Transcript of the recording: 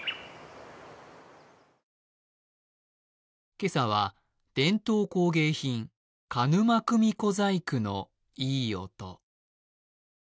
今朝は、伝統工芸品鹿沼組子細工のいい音。